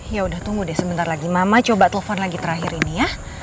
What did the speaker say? ya udah tunggu deh sebentar lagi mama coba telepon lagi terakhir ini ya